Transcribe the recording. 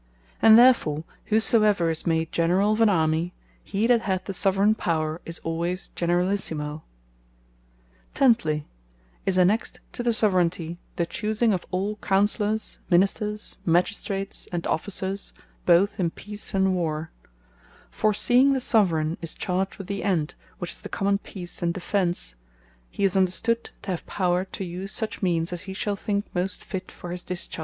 And therefore whosoever is made Generall of an Army, he that hath the Soveraign Power is alwayes Generallissimo. 10. And Of Choosing All Counsellours, And Ministers, Both Of Peace, And Warre: Tenthly, is annexed to the Soveraignty, the choosing of all Councellours, Ministers, Magistrates, and Officers, both in peace, and War. For seeing the Soveraign is charged with the End, which is the common Peace and Defence; he is understood to have Power to use such Means, as he shall think most fit for his discharge.